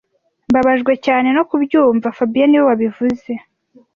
Mbabajwe cyane no kubyumva fabien niwe wabivuze